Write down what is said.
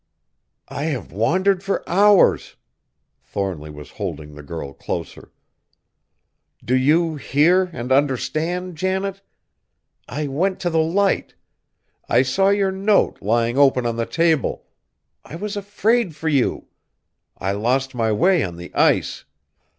"I have wandered for hours!" Thornly was holding the girl closer. "Do you hear and understand, Janet? I went to the Light. I saw your note lying open on the table; I was afraid for you! I lost my way on the ice.